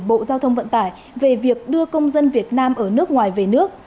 bộ giao thông vận tải về việc đưa công dân việt nam ở nước ngoài về nước